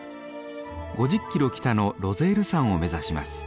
５０キロ北のロゼール山を目指します。